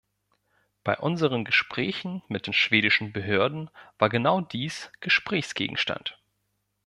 Bei unseren Gesprächen mit den schwedischen Behörden war genau dies Gesprächsgegenstand.